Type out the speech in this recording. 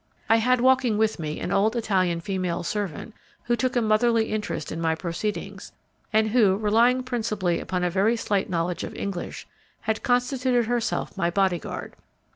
I had walking with me an old Italian female servant who took a motherly interest in my proceedings, and who, relying principally upon a very slight knowledge of English, had constituted herself my body guard.